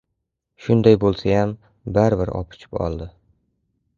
Shunday bo‘lsayam baribir opichib oldi.